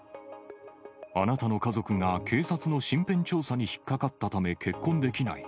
あなたの家族が警察の身辺調査に引っ掛かったため結婚できない。